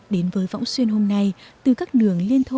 đến với võng xuyên hôm nay từ các đường liên thông